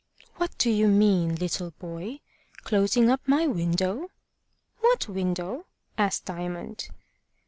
"What do you mean, little boy closing up my window?" "What window?" asked Diamond.